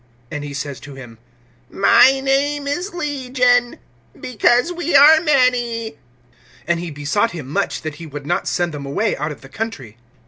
And he says to him: My name is Legion; because we are many. (10)And he besought him much that he would not send them away out of the country.